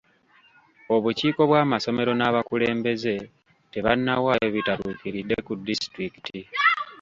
Obukiiko bw'amasomero n'abakulembeze tebannawaayo bitatuukiridde ku disitulikiti.